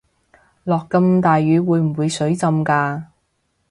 落咁大雨會唔會水浸架